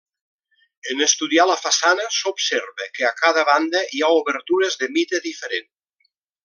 En estudiar la façana s'observa que a cada banda hi ha obertures de mida diferent.